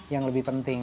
itu yang lebih penting